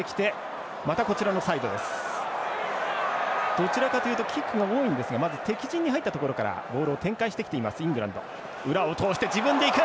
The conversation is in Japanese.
どちらかというとキックが多いんですが敵陣に入ったところからボールを展開、イングランド。